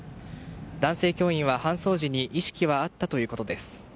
男性教員は搬送時に意識はあったということです。